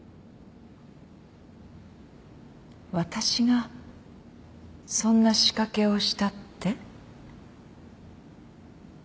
私がそんな仕掛けをしたって？